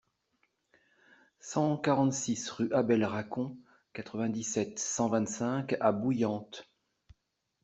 cent quarante-six rue Abel Racon, quatre-vingt-dix-sept, cent vingt-cinq à Bouillante